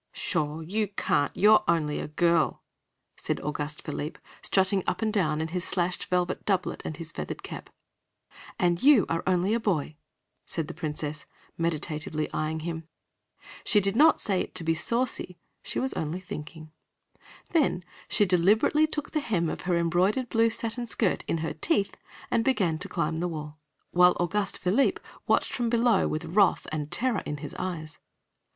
"Pshaw, you can't! You're only a girl," said Auguste Philippe, strutting up and down in his slashed velvet doublet and his feathered cap. "And you are only a boy," said the Princess, meditatively eying him. She did not say it to be saucy she was only thinking. Then she deliberately took the hem of her embroidered blue satin skirt in her teeth and began to climb the wall, while Auguste Philippe watched from below with wrath and terror in his eyes.